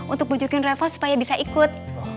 untuk pujukin reva supaya bisa ikut